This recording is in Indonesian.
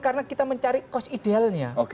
karena kita mencari cost idealnya